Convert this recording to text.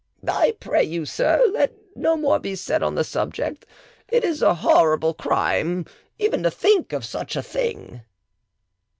"I pray you, sir, let no more be said on the subject; it is a horrible crime even to think of such a thing."